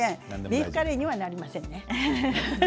ビーフカレーにはなりませんね。